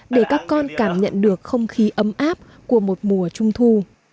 để các con cảm nhận được không khí ấm áp của một mùa trung thu